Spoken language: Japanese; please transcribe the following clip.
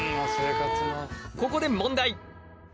ここで問題！